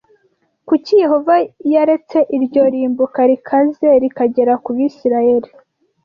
Kuki Yehova yaretse iryo rimbuka rikaze rikagera ku Bisirayeli